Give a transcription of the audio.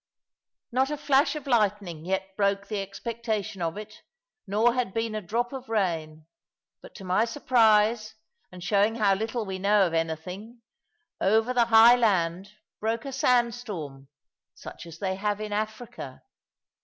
Not a flash of lightning yet broke the expectation of it, nor had been a drop of rain. But to my surprise, and showing how little we know of anything, over the high land broke a sand storm, such as they have in Africa.